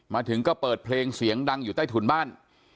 มาถึงก็เปิดเพลงเสียงดังอยู่ใต้ถุนบ้าน